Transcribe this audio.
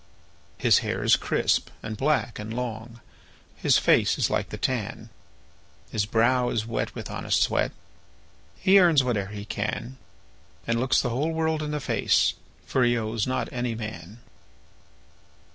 His hair is crisp, and black, and long, His face is like the tan; His brow is wet with honest sweat, He earns whate'er he can, And looks the whole world in the face, For he owes not any man.